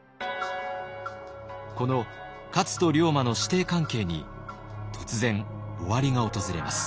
この勝と龍馬の師弟関係に突然終わりが訪れます。